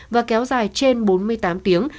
và kéo dài trên bốn mươi tám tiếng